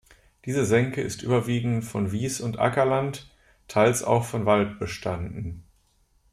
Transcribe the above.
Diese Senke ist überwiegend von Wies- und Ackerland, teils auch von Wald bestanden.